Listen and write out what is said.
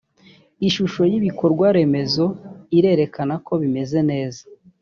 ishusho y’ibikorwaremezo irerekana ko bimeze neza